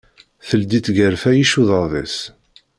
Teldi tgarfa icuḍaḍ-is.